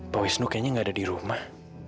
bu isnu kayaknya gak ada di rumah